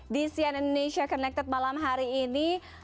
di cn indonesia connected malam hari ini